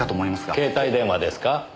携帯電話ですか？